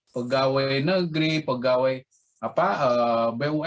pegawai negeri pegawai bumn dan juga mungkin sektor swasta